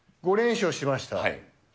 ５連勝しました。